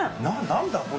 何だ！？